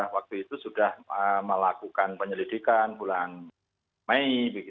waktu itu sudah melakukan penyelidikan bulan mei